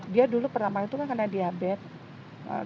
dia dulu pertama itu kan kena diabetes